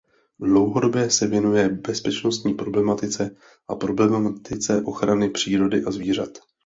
Dlouhodobě se věnuje bezpečnostní problematice a problematice ochrany přírody a zvířat.